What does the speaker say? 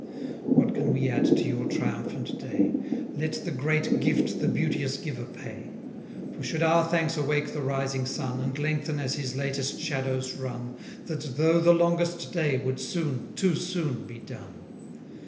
What can we add to your triumphant day? Let the great gift the beauteous giver pay. For should our thanks awake the rising sun, And lengthen, as his latest shadows run, That, though the longest day, would soon, too soon be done.